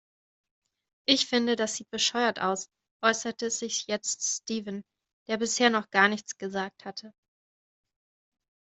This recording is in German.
Ich finde, das sieht bescheuert aus, äußerte sich jetzt Steven, der bisher noch gar nichts gesagt hatte.